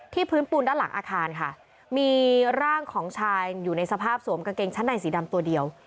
พื้นปูนด้านหลังอาคารค่ะมีร่างของชายอยู่ในสภาพสวมกางเกงชั้นในสีดำตัวเดียว